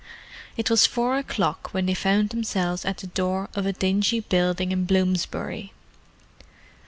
It was four o'clock when they found themselves at the door of a dingy building in Bloomsbury.